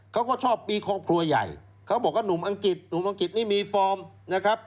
เขาก็ชอบมีครอบครัวใหญ่เขาบอกว่าหนุ่มอังกฤษหนุ่มอังกฤษนี่มีฟอร์มนะครับ